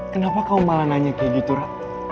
kenapa kamu malah nanya kayak gitu rara